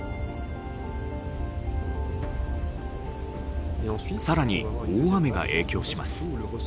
更に大雨が影響します。